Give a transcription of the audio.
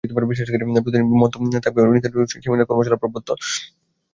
প্রতিদিন থাকবে নৃত্যানুষ্ঠান, সেমিনার, কর্মশালা, মেলা এবং শেষ দিন বর্ণাঢ্য শোভাযাত্রা বেেরাবে।